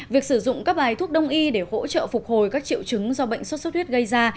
việc sử dụng các bài thuốc đông y để hỗ trợ phục hồi các triệu chứng do bệnh sốt xuất huyết gây ra